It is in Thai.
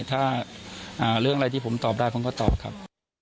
ถ้าในเรื่องอะไรผมตอบได้คงก็ตอบครับ